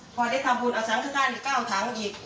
พอได้ทำภูมิเอาสามกระทานอีกเก้าถังอีก